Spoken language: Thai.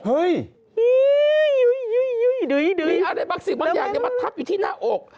เฮ้ยมีอะไรบางสิ่งบางอย่างมาทับอยู่ที่หน้าอก